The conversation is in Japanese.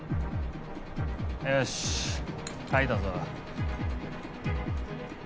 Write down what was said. よし書いたぞ。